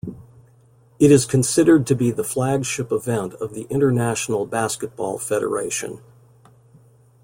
It is considered to be the flagship event of the International Basketball Federation.